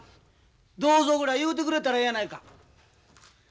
「どうぞ」ぐらい言うてくれたらええやないか。